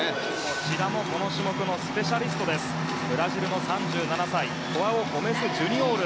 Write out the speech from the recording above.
こちらもこの種目のスペシャリストブラジルの３７歳ホアオ・ゴメス・ジュニオール。